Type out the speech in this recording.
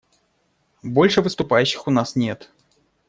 Больше выступающих у нас нет.